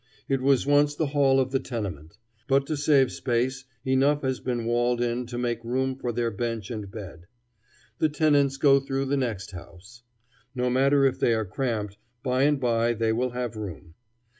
It was once the hall of the tenement; but to save space, enough has been walled in to make room for their bench and bed. The tenants go through the next house. No matter if they are cramped; by and by they will have room.